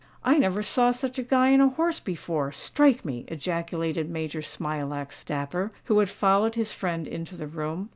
"I never saw such a Guy on a horse before—strike me!" ejaculated Major Smilax Dapper, who had followed his friend into the room.